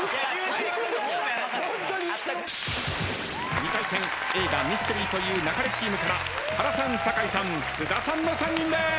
２回戦映画ミステリと言う勿れチームから原さん酒井さん菅田さんの３人です！